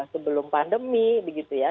sebelum pandemi begitu ya